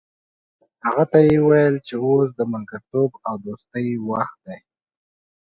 هغه ته یې وویل چې اوس د ملګرتوب او دوستۍ وخت دی.